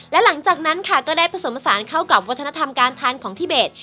และหลังจากนั้นค่ะก็ได้ผสมผสานเข้ากับวัฒนธรรมการทานของทิเบส